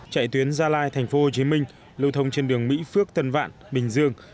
chạy tuyến gia lai tp hcm lưu thông trên đường mỹ phước tân vạn bình dương